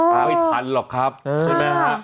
ไม่ทันหรอกครับใช่ไหมฮะ